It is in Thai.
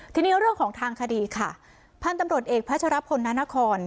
ทีนี้ก็เรื่องของทางคดีค่ะผ้านตำรวจเอกภัชรพนันทธ์โคน